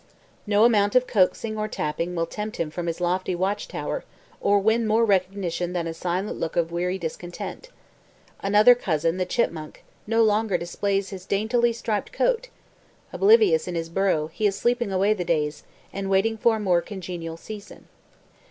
No amount of coaxing or tapping will tempt him from his lofty watch tower, or win more recognition than a silent look of weary discontent. Another cousin, the chipmunk, no longer displays his daintily striped coat. Oblivious in his burrow, he is sleeping away the days, and waiting for a more congenial season.